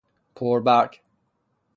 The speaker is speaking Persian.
پر برگ